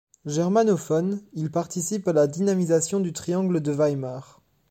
Germanophone, il participe à la dynamisation du Triangle de Weimar.